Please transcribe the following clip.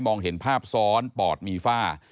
เห็นภาพซ้อนปอดมีฝ้า